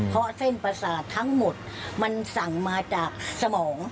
เพราะเส้นประสาททั้งหมดมันสั่งมาจากสมอง